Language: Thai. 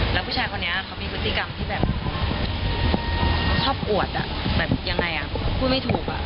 แล้วผู้ชายคนนี้เขามีพฤติกรรมที่แบบชอบอวดแบบยังไงพูดไม่ถูก